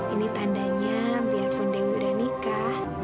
ini tandanya biarpun dewi udah nikah